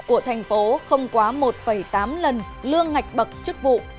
của thành phố không quá một tám lần lương ngạch bậc chức vụ